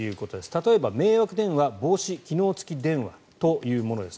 例えば迷惑電話防止機能付き電話というものです。